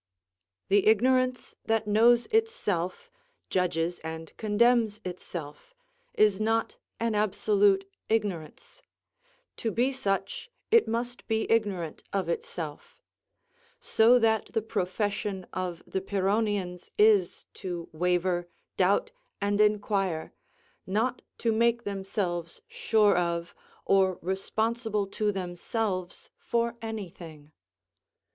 The ignorance that knows itself, judges and condemns itself, is not an absolute ignorance; to be such, it must be ignorant of itself; so that the profession of the Pyrrhonians is to waver, doubt, and inquire, not to make themselves sure of, or responsible to themselves for any thing.